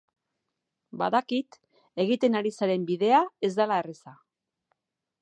Badakit egiten ari zaren bidea ez dela erraza.